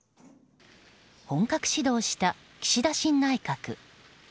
本格始動した岸田新内閣。